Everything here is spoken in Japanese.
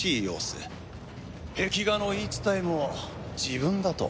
壁画の言い伝えも自分だと。